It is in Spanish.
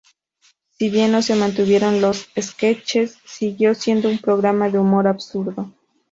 Si bien no se mantuvieron los "sketches", siguió siendo un programa de humor absurdo.